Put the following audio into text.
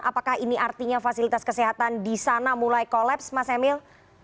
apakah ini artinya fasilitas kesehatan di sana mulai kolaps mas emil